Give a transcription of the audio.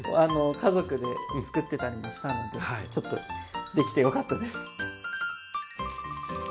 家族で作ってたりもしたのでちょっとできてよかったです。